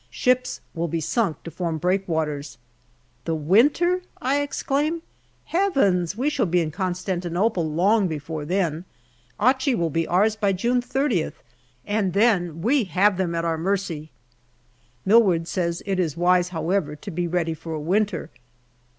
Ships will be sunk to form breakwaters. " The winter ?" I exclaim. " Heavens ! we shall be in Constantinople long before then ; Achi will be ours by June soth, and then we have them at our mercy/' Milward says that it is wise, however, to be ready for a winter.